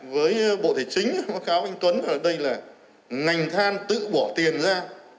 với bộ thế chính báo cáo anh tuấn là đây là ngành than tự bỏ tiền ra